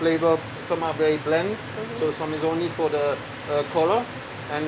beberapa sangat berkelap jadi beberapa hanya untuk warna